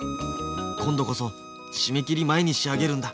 今度こそ締め切り前に仕上げるんだ。